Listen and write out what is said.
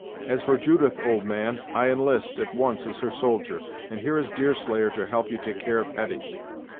As for Judith, old man, I enlist, at once, as her soldier, and here is Deerslayer to help you to take care of Hetty."